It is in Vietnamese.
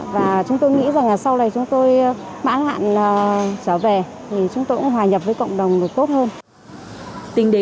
và chúng tôi nghĩ rằng là sau này chúng tôi mãn hạn trở về